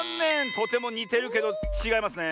とてもにてるけどちがいますねえ。